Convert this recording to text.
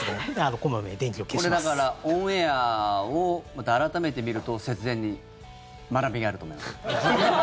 これ、だからオンエアを改めて見ると節電に学びがあると思います。